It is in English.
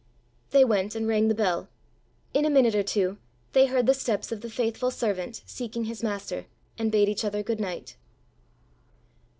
They went and rang the bell. In a minute or two they heard the steps of the faithful servant seeking his master, and bade each other good night.